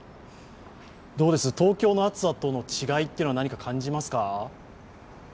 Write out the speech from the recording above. どうです、東京の暑さとの違いって何か感じますか？